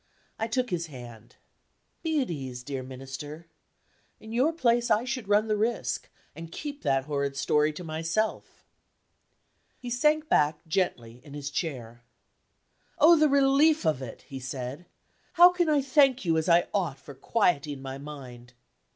I took his hand: "Be at ease, dear Minister. In your place I should run the risk, and keep that horrid story to myself." He sank back gently in his chair. "Oh, the relief of it!" he said. "How can I thank you as I ought for quieting my mind?"